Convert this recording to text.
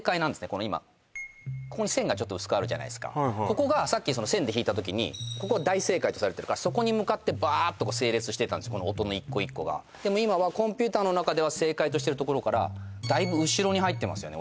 この今ここに線が薄くあるじゃないすかここがさっき線で引いた時にここは大正解とされてるからそこに向かってバーッと整列してたんですこの音の一個一個がでも今はコンピューターの中では正解としてるところからだいぶ後ろに入ってますよね